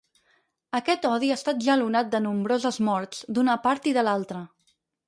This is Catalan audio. Aquest odi ha estat jalonat de nombroses morts, d’una part i de l'altra.